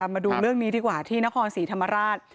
มาดูเรื่องนี้ดีกว่าที่นครศรีธรรมราช